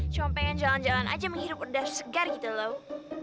cuma pengen jalan jalan aja menghirup udara segar gitu loh